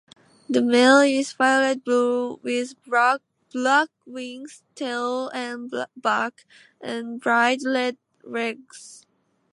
The male is violet-blue with black wings, tail and back, and bright red legs.